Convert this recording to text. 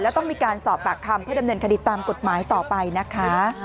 แล้วต้องมีการสอบปากคำเพื่อดำเนินคดีตามกฎหมายต่อไปนะคะ